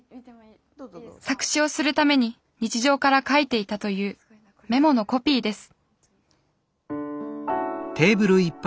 作詞をするために日常から書いていたというメモのコピーです